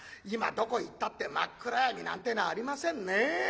今どこ行ったって真っ暗闇なんてのはありませんね。